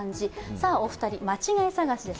さあ、お二人、間違い探しです。